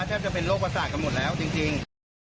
แทบจะเป็นโรคประสาทกันหมดแล้วจริง